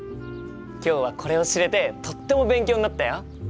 今日はこれを知れてとっても勉強になったよ！